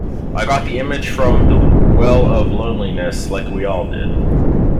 I got the image from "The Well of Loneliness", like we all did.